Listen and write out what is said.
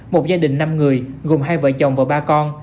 một gia đình năm người gồm hai vợ chồng và ba con